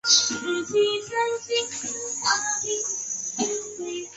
这里列举所参与制作的著名作品。